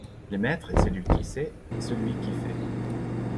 Le maître est celui qui sait, celui qui fait.